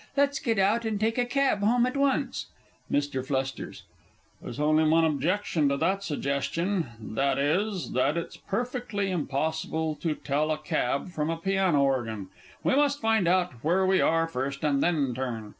Let us get out, and take a cab home at once. MR. F. There's only one objection to that suggestion viz., that it's perfectly impossible to tell a cab from a piano organ. We must find out where we are first, and then turn.